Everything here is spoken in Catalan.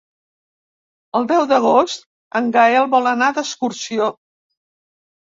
El deu d'agost en Gaël vol anar d'excursió.